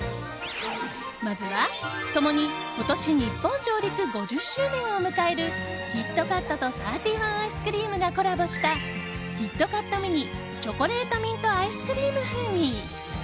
まずは、共に今年日本上陸５０周年を迎えるキットカットとサーティワンアイスクリームがコラボしたキットカットミニチョコレートミントアイスクリーム風味。